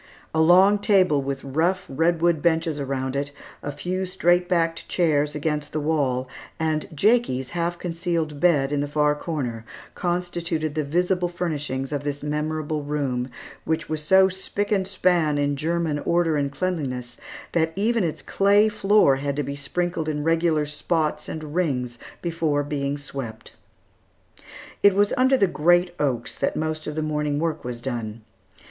A long table with rough redwood benches around it, a few straight backed chairs against the wall, and Jakie's half concealed bed, in the far corner, constituted the visible furnishings of this memorable room, which was so spick and span in German order and cleanliness, that even its clay floor had to be sprinkled in regular spots and rings before being swept. It was under the great oaks that most of the morning work was done.